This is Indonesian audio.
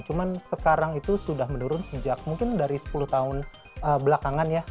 cuma sekarang itu sudah menurun sejak mungkin dari sepuluh tahun belakangan ya